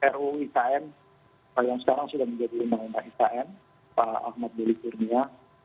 ru ikn yang sekarang sudah menjadi lembaga ikn pak ahmad duli kurnia